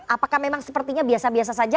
apakah memang sepertinya biasa biasa saja